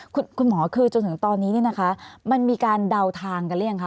คุณหมอคือจนถึงตอนนี้เนี่ยนะคะมันมีการเดาทางกันหรือยังคะ